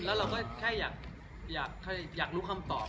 แล้วเราก็แค่อยากรู้คำตอบ